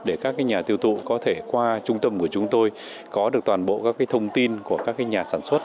để các cái nhà tiêu thụ có thể qua trung tâm của chúng tôi có được toàn bộ các cái thông tin của các cái nhà sản xuất